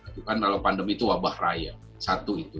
itu kan kalau pandemi itu wabah raya satu itu